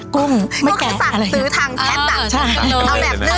กุ้งไม่แกะอะไรอย่างนี้